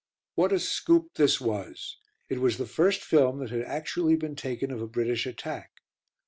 What a "scoop" this was. It was the first film that had actually been taken of a British attack.